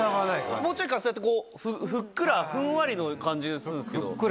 もうちょいカステラってこうふっくらふんわりの感じするんですけど。